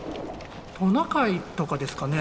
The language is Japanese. トナカイとかですかね？